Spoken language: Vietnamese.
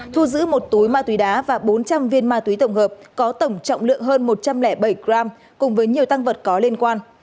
thu giữ một túi ma túy đá và bốn trăm linh viên ma túy tổng hợp có tổng trọng lượng hơn một trăm linh bảy g cùng với nhiều tăng vật có liên quan